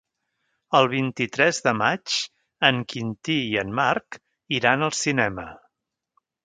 El vint-i-tres de maig en Quintí i en Marc iran al cinema.